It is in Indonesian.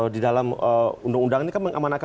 di dalam undang undang ini kan mengamanatkan